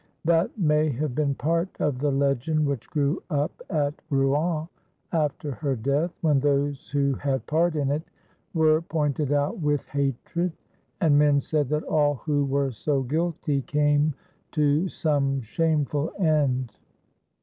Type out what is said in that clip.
That may have been part of the legend which grew up at Rouen after her death, when those who had part in it 193 FRANCE were pointed out with hatred, and men said that all who were so guilty came to some shameful end.